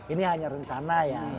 ini hanya rencana ya